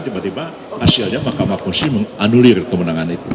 tiba tiba hasilnya mahkamah konstitusi menganulir kemenangan itu